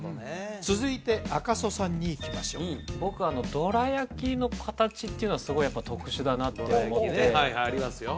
続いて赤楚さんにいきましょう僕どら焼きの形っていうのはすごいやっぱ特殊だなって思ってはいはいありますよ